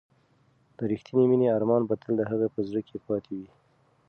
د ریښتینې مینې ارمان به تل د هغې په زړه کې پاتې وي.